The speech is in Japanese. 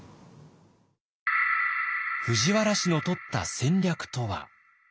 藤原氏のとった戦略とは？